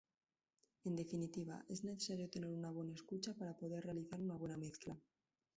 En definitiva, es necesario tener una buena escucha para poder realizar una buena mezcla.